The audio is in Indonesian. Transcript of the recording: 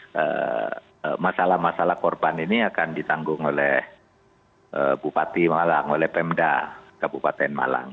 nah masalah masalah korban ini akan ditanggung oleh bupati malang oleh pemda kabupaten malang